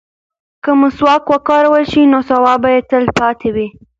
که مسواک وکارول شي نو ثواب به یې تل پاتې وي.